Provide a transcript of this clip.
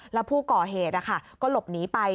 แล้วผู้ก่อเหตุก็หลบหนีไป